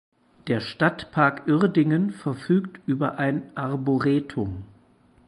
Der Stadtpark Uerdingen verfügt über ein Arboretum.